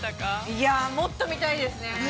◆いや、もっと見たいですね。